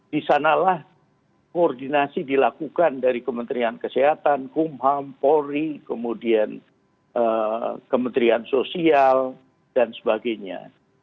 di sanalah koordinasi dilakukan dari kementerian kesehatan kumham polri kemudian kementerian sosial dan sebagainya